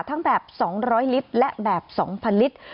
แบบ๒๐๐ลิตรและแบบ๒๐๐ลิตร